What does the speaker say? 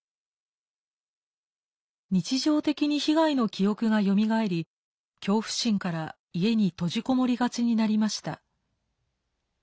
日常的に被害の記憶がよみがえり恐怖心から家に閉じ籠もりがちになりました。